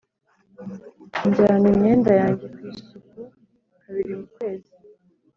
njyana imyenda yanjye ku isuku kabiri mu kwezi.